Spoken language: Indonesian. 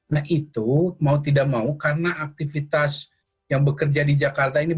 nah itu mau tidak mau karena aktivitas yang bekerja di jakarta ini